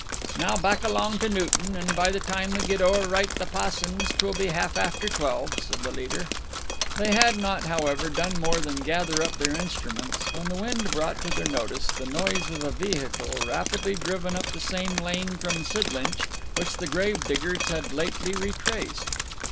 'Now backalong to Newton, and by the time we get overright the pa'son's 'twill be half after twelve,' said the leader. They had not, however, done more than gather up their instruments when the wind brought to their notice the noise of a vehicle rapidly driven up the same lane from Sidlinch which the gravediggers had lately retraced.